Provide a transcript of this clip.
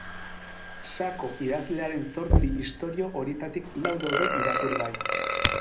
Sako idazlearen zortzi istorio horietarik lau daude irakurgai.